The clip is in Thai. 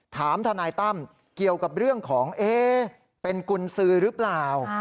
ทนายตั้มเกี่ยวกับเรื่องของเป็นกุญสือหรือเปล่า